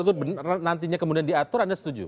atau nantinya kemudian diatur anda setuju